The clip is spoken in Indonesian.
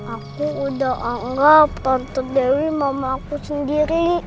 aku udah anggap untuk dewi mama aku sendiri